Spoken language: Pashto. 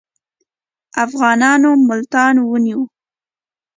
افغانانو ملتان ونیوی.